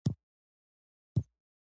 لومړی ډول د همکارۍ اړیکې دي.